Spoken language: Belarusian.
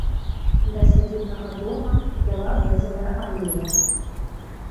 Да сядзібнага дома вяла бэзавая алея.